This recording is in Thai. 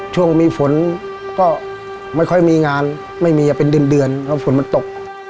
ช่วงมีฝนก็ไม่ค่อยมีงานไม่มีเป็นเดือนแล้วฝนมันตก